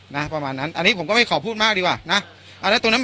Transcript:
นะประมาณนั้นอันนี้ผมก็ไม่ขอพูดมากดีกว่านะอ่าแล้วตัวนั้น